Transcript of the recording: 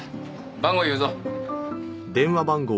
番号言うぞ。